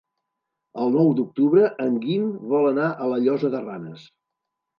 El nou d'octubre en Guim vol anar a la Llosa de Ranes.